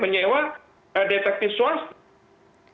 menyewa detektif swastika